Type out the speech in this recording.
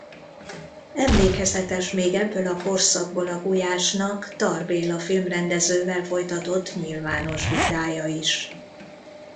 Emlékezetes még ebből a korszakból a Gulyásnak Tarr Béla filmrendezővel folytatott nyilvános vitája is.